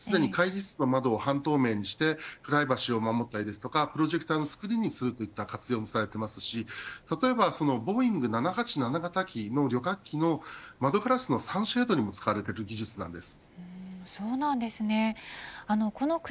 会議室の窓を半透明にしてプライバシーを守ったりプロジェクトのスクリーンに応用されたり例えば、ボーイング７８７型機の旅客機の窓ガラスのサンシェードに使われている技術です。